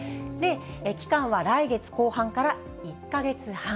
期間は来月後半から１か月半。